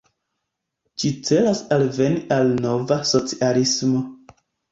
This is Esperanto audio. Ĝi celas alveni al nova socialismo.